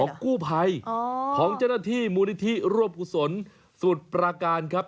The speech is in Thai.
กู้ภัยของเจ้าหน้าที่มูลนิธิรวบกุศลสมุทรประการครับ